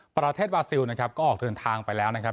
ประเทศบาซิลนะครับก็ออกเดินทางไปแล้วนะครับ